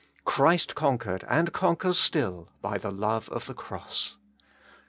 Christ conquered and conquers still by the love of the cross.